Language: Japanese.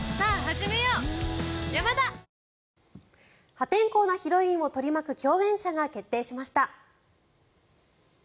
破天荒なヒロインを取り巻く共演者が決定しました！